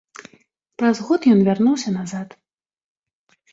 Праз год ён вярнуўся назад.